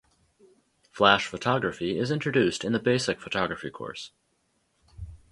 Flash photography is introduced in the basic photography course.